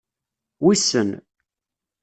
Wissen.